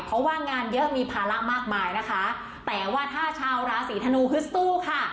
เพราะว่างานเยอะมีภาระมากมายนะคะแต่ว่าถ้าชาวราศีธนูฮึดสู้ค่ะ